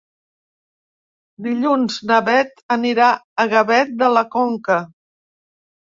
Dilluns na Beth anirà a Gavet de la Conca.